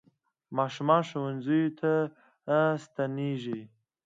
ماشومان ښوونځیو ته ستنېږي.